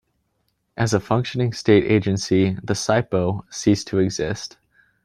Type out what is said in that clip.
As a functioning state agency, the SiPo ceased to exist.